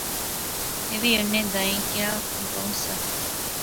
ایہہ وی انیں دائیں کیا بہوں سا